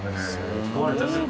壊れちゃってる？